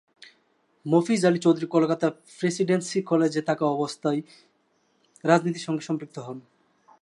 Mofiz Ali Chowdhury Kolkata Presidency কলেজে থাকা অবস্থায় রাজনীতির সঙ্গে সম্পৃক্ত হন।